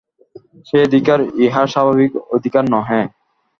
সে অধিকার ইহার স্বাভাবিক অধিকার নহে।